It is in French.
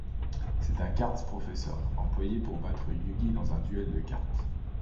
C'est un Cards Professor employé pour battre Yûgi dans un duel de carte.